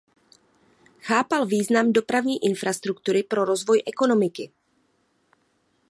Chápal význam dopravní infrastruktury pro rozvoj ekonomiky.